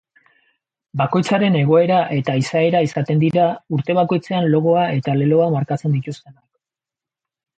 Bakoitzaren egoera eta izaera izaten dira urte bakoitzean logoa eta leloa markatzen dituztenak.